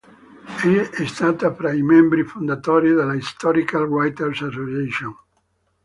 È stata fra i membri fondatori della "Historical Writers Association".